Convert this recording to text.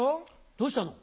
どうしたの？